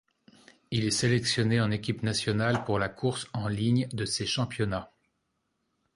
Il est sélectionné en équipe nationale pour la course en ligne de ces championnats.